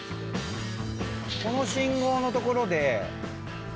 この信号のところで。